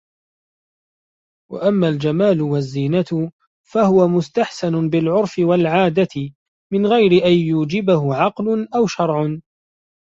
وَأَمَّا الْجَمَالُ وَالزِّينَةُ فَهُوَ مُسْتَحْسَنٌ بِالْعُرْفِ وَالْعَادَةِ مِنْ غَيْرِ أَنْ يُوجِبَهُ عَقْلٌ أَوْ شَرْعٌ